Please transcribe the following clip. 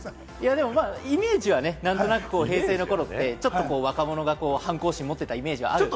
イメージは何となく平成の頃って、ちょっと若者が反抗心を持ってたイメージがある。